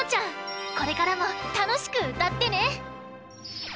これからもたのしくうたってね！